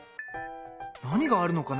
何があるのかな？